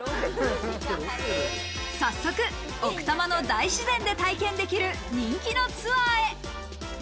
早速、奥多摩の大自然で体験できる人気のツアーへ。